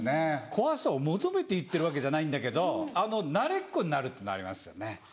怖さを求めて行ってるわけじゃないんだけど慣れっこになるってのありますよね。